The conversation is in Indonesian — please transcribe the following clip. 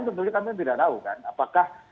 tentu saja kami tidak tahu kan apakah